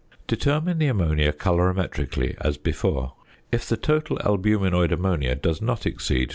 Determine the ammonia colorimetrically as before. If the total albuminoid ammonia does not exceed 0.